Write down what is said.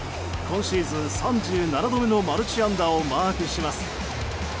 今シーズン２７度目のマルチ安打をマークします。